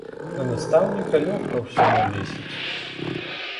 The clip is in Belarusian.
На настаўніка лёгка ўсё навесіць.